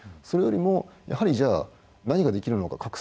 それよりもやはりじゃあ何ができるのか。